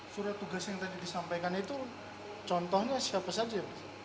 surat tugas yang tadi disampaikan itu contohnya siapa saja